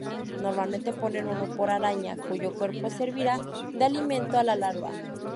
Normalmente ponen uno por araña, cuyo cuerpo servirá de alimento a la larva.